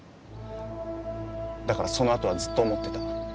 だからそのあとはずっと思ってた。